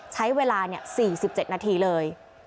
ใช้เวลา๔๗นาทีเลย